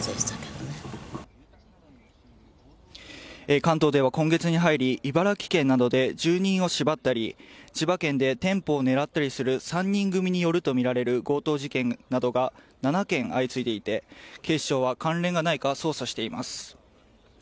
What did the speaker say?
関東では今月に入り茨城県などで住人を縛ったり千葉県で店舗を狙ったりする３人組によるとみられる強盗事件などが７件、相次いでいて警視庁は関連がないか捜査しています。